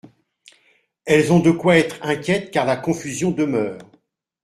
Elles ont de quoi être inquiètes, car la confusion demeure.